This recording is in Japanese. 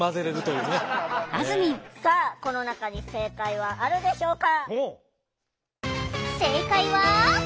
さあこの中に正解はあるでしょうか？